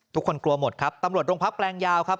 ทุกคนกลัวหมดครับตำรวจโรงพักแปลงยาวครับ